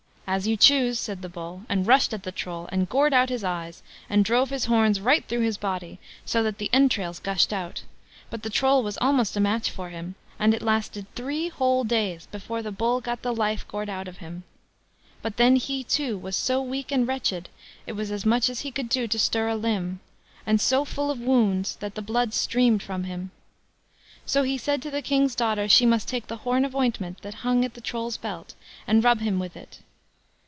"As you choose", said the Bull, and rushed at the Troll, and gored out his eyes, and drove his horns right through his body, so that the entrails gushed out; but the Troll was almost a match for him, and it lasted three whole days before the Bull got the life gored out of him. But then he, too, was so weak and wretched, it was as much as he could do to stir a limb, and so full of wounds, that the blood streamed from him. So he said to the King's daughter she must take the horn of ointment that hung at the Troll's belt, and rub him with it.